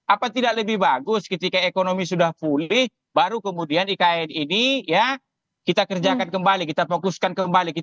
apa tidak lebih bagus ketika ekonomi sudah pulih baru kemudian ikn ini ya kita kerjakan kembali kita fokuskan kembali